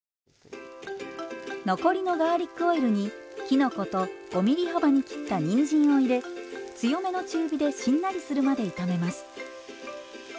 残りのガーリックオイルにきのこと５ｍｍ幅に切ったにんじんを入れ強めの中火でしんなりするまで炒めます。